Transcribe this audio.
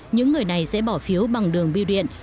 những người này sẽ bỏ phiếu bằng đường biêu điện